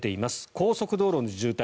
高速道路の渋滞